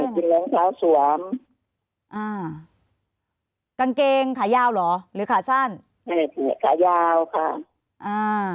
กินรองเท้าสวมอ่ากางเกงขายาวเหรอหรือขาสั้นใช่ขายาวค่ะอ่า